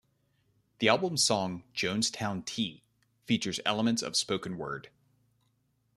The album's song "Jonestown Tea" features elements of spoken word.